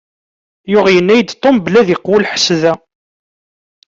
Tuɣ yenna-yi-d Tom belli ad iqewwu lḥess da.